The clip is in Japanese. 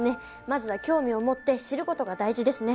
まずは興味を持って知ることが大事ですね。